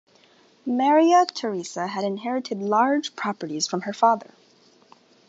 Maria Theresa had inherited large properties from her father.